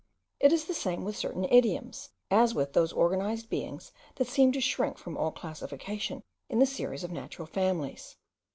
It is the same with certain idioms, as with those organized beings that seem to shrink from all classification in the series of natural families.